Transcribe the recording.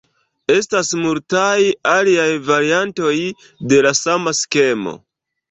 Estas multaj aliaj variantoj de la sama skemo.